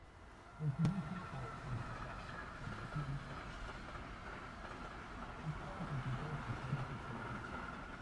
En su inicio o exacerbación están implicados factores psicológicos.